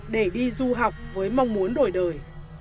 để đi du học với mong muốn đổi đời